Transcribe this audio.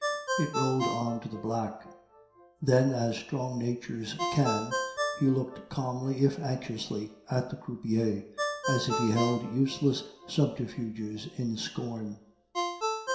It rolled on to the Black; then, as strong natures can, he looked calmly, if anxiously, at the croupier, as if he held useless subterfuges in scorn.